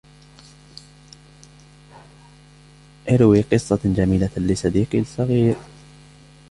ارو قصة جميلة لصديقي الصغير.